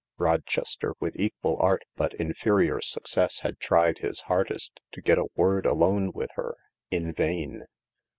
224 THE LARK Rochester, with equal art but inferior success, had tried his hardest to get a word alone with her — in vain.